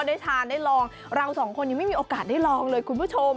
ได้ทานได้ลองเราสองคนยังไม่มีโอกาสได้ลองเลยคุณผู้ชม